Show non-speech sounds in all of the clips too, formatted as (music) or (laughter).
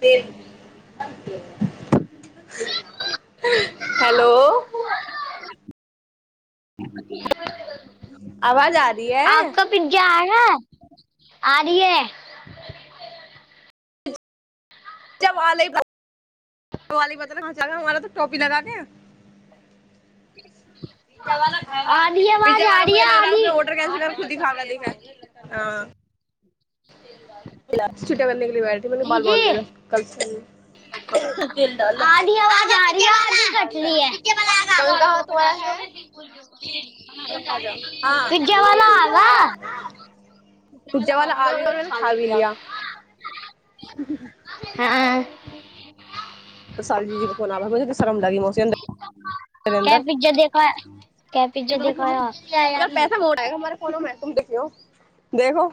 फेर हेलो आवाज आ रही है आपका पिज्जा आ ह आ रइ है (unintelligible) वाली बतल कहचे हमारा तऽ टोपी लगा दे है (inaudible) (unintelligible) आधी आवाज आ रही है आधी (unintelligible) हँ छटटा बनने गई थि मैने बाल मन्दिर कल (inaudible) कल अधी आवाज आरही है अधी कट रही है कहा तुम्हारा है (unintelligible) हाँ विजवला आ पिज्जा वाला आ भी गया और मैंने खा भी लिया ग (unintelligible) (inaudible) तऽसालजी जी के फोन आबै त शर्म लागी मस क्या पिज्जा देखो है? क्या पिज्जा देखो है आप? अर पैसा मोड़एगा हमारे कोनो तु देख देखो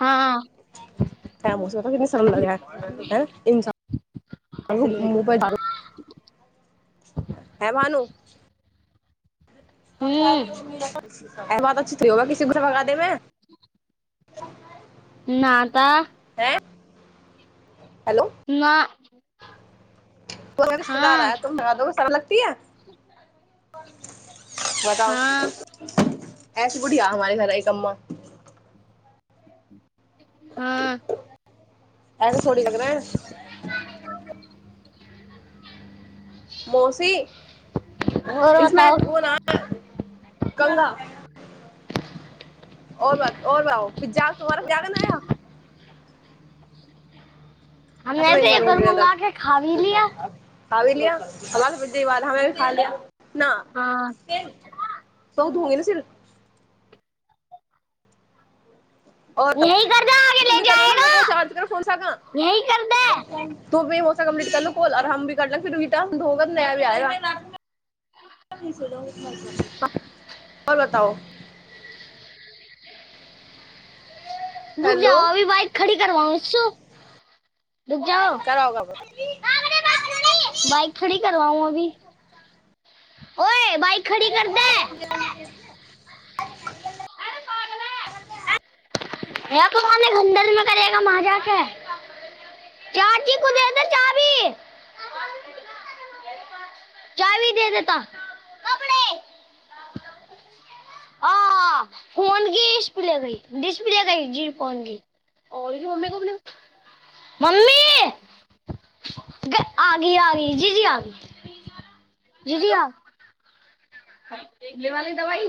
हाँ (unintelligible) (unintelligible) हे भानू हम्म (unintelligible) (inaudible) ना तऽ हैं हेलो नाअ को रिश्तेदार आय तादोे समय लगती है बताउ हाँ ऐसी बुढ़िया हमारे घर एक अमा हँ ऐसे थोड़ी लग रहे हैं (unintelligible) मौसी और इसमे बताओ ओ न कंधा (unintelligible) (unintelligible) हमने खाी तो एक और मंगा के खा भी लिया लिय हम प बाद हमे भी खा लिया न हाँ त ओ धोंगे ने सिलक ओ त यही करना आगे ले ती कीऔ जाएगा चज कर फोन स यही कर दे तू होसा कम्पीट करलो कोल आराम भ कर ल फर धगा नया भ आएग आओर बताउ दूक जा हेलो अी बइक खरी करवाउ उस करओगा ब बइक खड़ी करवाउ अभी ओइ बइक खड़ी कर दे य त गंडल मे करेगा मज छै चारजी कदे अ चाभी चाभी दे दता आ फोन गी स्प्ले गई डिस्प्ले गई जी फोन की (unintelligible) मम्मी आगी आगी जी जी आ जी जी आ ऐ वाली दवाई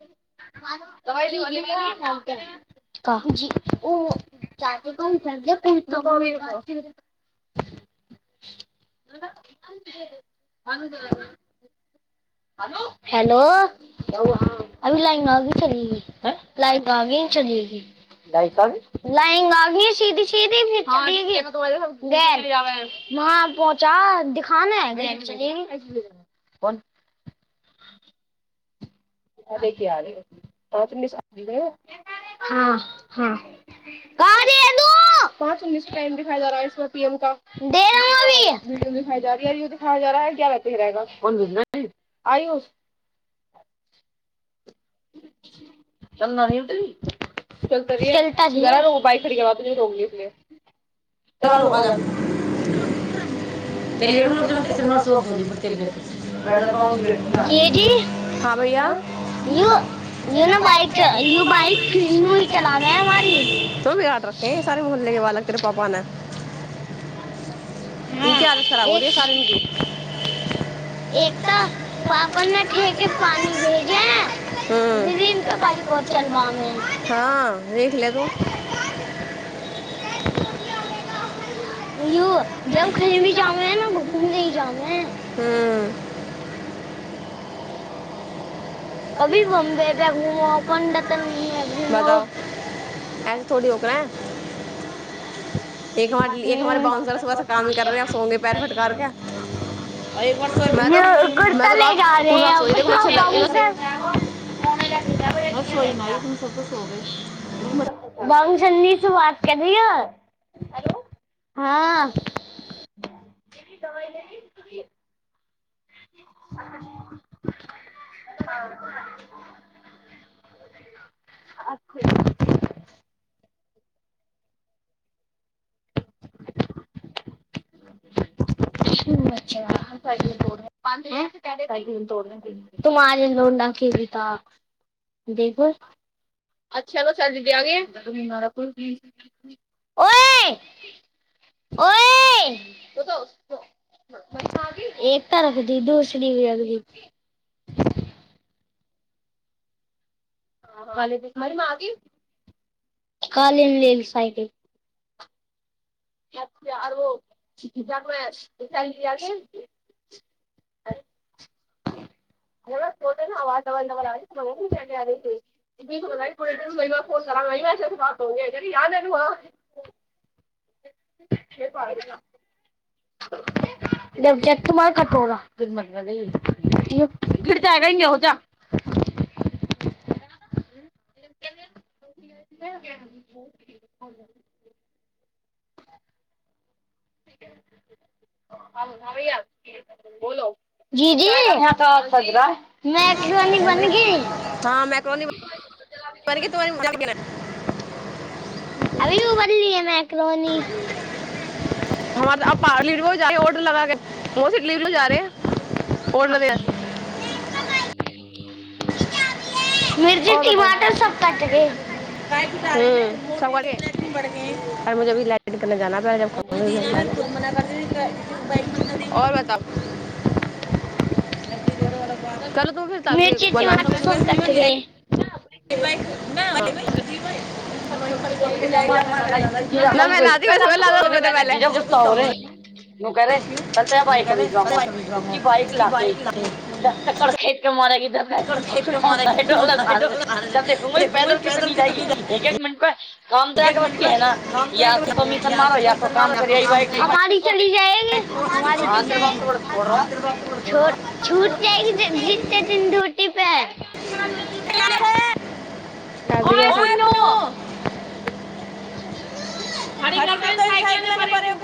दवाई ढे वो वाली कह जी ओ कोन (unintelligible) हेलो अभी लाइन आगे चल लाइ आगे चलि गई लाइट आगई लाइन आ ग सीधी सीदी (unintelligible) वहाँ पहुँचा दिखाना है क हाल आ त कहाँ पाँच उन्नीस टाइम दाई जा रहा ह पी एम क दे अभी दिाई जा य य दिखा जा रहाै क्य रहत रहा आइौ चना न उतरी (unintelligible) चल अनु आ जा (inaudible) ए टेलीग्राम में जब ऐसे नोट्स मर्स वक्त धोली पर पट टेलीग्राम बैठ जाता हूँ बैठ ना हाँ भैया यू जो यू य ना ने बाइक बइक यू बाइक बइक अनू ही चलाबे हमारी बिहारट रखे है सारे मोहले के बालक तेरे पापा ने इ हाँ की आदत खराब हो रही ह एक सारेके एक तऽ पापा ने ठेके पानि भेजे है हू हँ देख ले तू यू जब कही भी जाउ मौ न घूम ने ही जाउ मे हँ अभी कभी भीम बम्बे ने प अपने घूमो आप अपन बंद घूमो बताओ (unintelligible) (inaudible) एक हमारे बात हमारे बाउंसर सुबह से काम ही कर रहे हैं अब सोंगे पैर फटकार के और एक बार सोई (unintelligible) मैं य तो मैं कुर्ता तो ले जा रहे है म सोई न ई तू सभत सो गे म र चनी से बात करी हैो हँ दब ल (unintelligible) अख अच्छा ोड़ तोड़ने तुमार लोड़ना क भी त बिलकुल अच्छा त स जीद आग ओइ ओह एक तारक दी दूसरीी (inaudible) काल लल साइड अछा आोबै चगे आर फोटे ने आ फोन आहिआ से पतो यान (unintelligible) (unintelligible) (unintelligible) (unintelligible) (unintelligible) (unintelligible) मै कनी बन गी हाँ मैक्रोनी अभी (unintelligible) (unintelligible) (unintelligible) (unintelligible) ओ बता टमाटर सब कट गए र मुे अभी लाइट करने जाना ओर बता ह चल तू फेर चलू बना टमाटर सब कट गए (unintelligible) ल जीजा कल कोई दीै लै न के ब त बइक बीज बाइक वगूी भिजवाऊंगा। बइक उसकी ला के बाइक लाते हैं। क मने खेपके मारै इर ो तब देखू पैदल कितनी जाएगी एक एक मिनट काम तऽ एक यके मिनट बसे पे ह न हम या तऽ त कमीशन मारो या को काम कर ी जाएग हम छ जितेथि ढोट पे क ओए पुन्नू खड़ी खरी कर दे करत साइकल ने परेू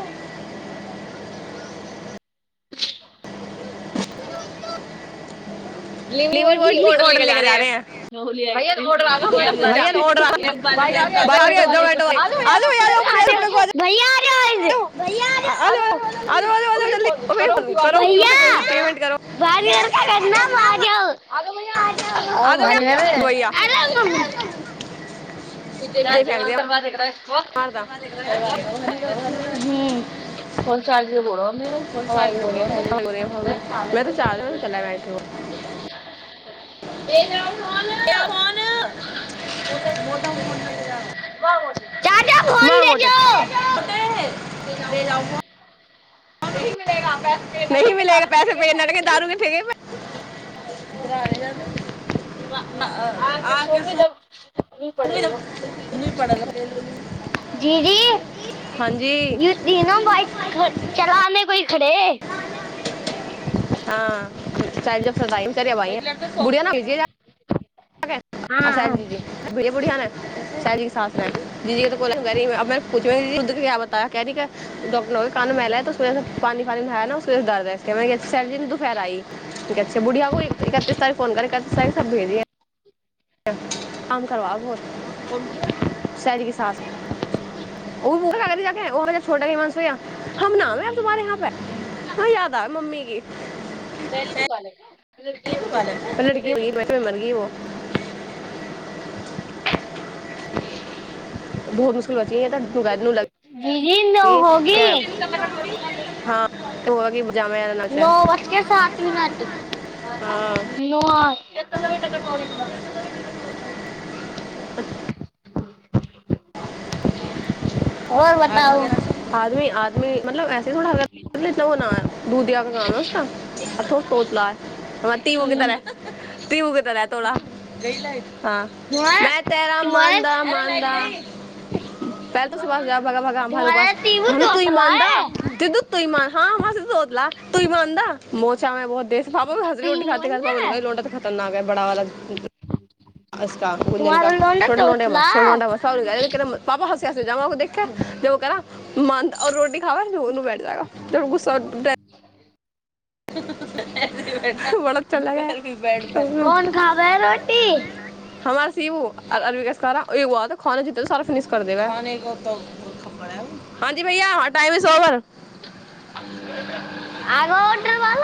डिलीवरी डिलिवरी ही बॉय ऑर्डर लेके ले के जा हैं रहे है भैया ऑर्डर आ गया भैया कैब वाले आ गया दो डोटो मिनट वाले आ जाओ यार ऊपर भैया यपर आ जाओ जली आलो आलो आलो कर जल्दी ओकरे फोन क पेट कर बारर क म आ (unintelligible) (unintelligible) (unintelligible) (unintelligible) मोट फोनमे जा चाचा म फोन दे मोटे मोटे दो नहि मिलेगा पैसे पे नहि करके जा मिलेगा पैसे रहे पे लटके थे दारू के ठेके उधर आ रहे आके सो अभी पड़ रहे जी जी ये तीनो बाइक चलाने को खड़े हं कर भाइ बुढ़िया न (unintelligible) हाँ शाहजी के सा रहै जी जी के बोल पूछी क बताय की कै ॉरान मेेल ह त सेर पानी पानी नहाया न सर दर्दै सरी दुपहर आयी बुढ़िया एक इ एकतीस तारीख फोन कर इ एकतीस तारीख सब भेजियए काम करबबहुतु शरीे सााँस ओ छोटा मसा हम नामैब तुम्ारे यहाँ पे हँ याद आब मम्मी की पल क कहले (unintelligible) बहुत मुशकिल बची त लगै जी जी नओ हो गी हुआ कि जामे रहना चाहे नओ हाँ (unintelligible) (inaudible) आ बताओ आदमी आदमी मतलब ऐसे थोड़ा अ मत इतना होना ह दूधिया क काम ह उथोोच तीू के तरह ती के करय तोरा हँ तुम्हारा मै तेरा तुम्हारा मानदा मानदा (inaudible) बा भगार बास तुम्हारा तीबू भनू तू तोतला मान द है दीदू तू मान हँ ह सोदला तूई बन म अच्ा बहुत देस पाबू ने हस रोट खाे तीन खा पाबू ने है कहै रोटाऽ खरनााकै बड़ा वाला (unintelligible) तुम्हारा लोंडा करा तोतला मद आऔर रोटी खाबा ज ओनू बैठ जाएगा ज गुस्सा (unintelligible) (unintelligible) ह कौन खावे है रोटी जी भैय टाइम इस ओवर आग ओट ब